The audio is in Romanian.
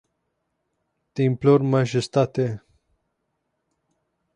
Te implor majestate.